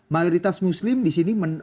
mayoritas muslim disini